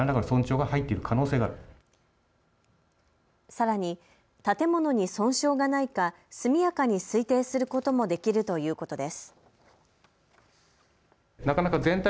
さらに建物に損傷がないか速やかに推定することもできるということです。